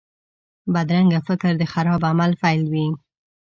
بدرنګه فکر د خراب عمل پیل وي